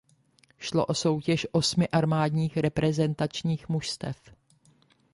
Šlo o soutěž osmi armádních reprezentačních mužstev.